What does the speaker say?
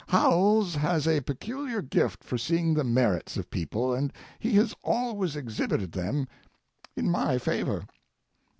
Howells has a peculiar gift for seeing the merits of people, and he has always exhibited them in my favor.